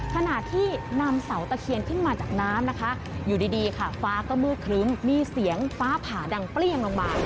ขณะที่นำเสาตะเคียนขึ้นมาจากน้ำนะคะอยู่ดีค่ะฟ้าก็มืดครึ้มมีเสียงฟ้าผ่าดังเปรี้ยงลงมา